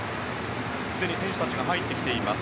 すでに選手たちが入ってきています。